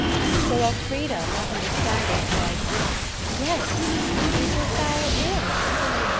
So Elfrida, not understanding, said, "Yes; is your fowl ill?"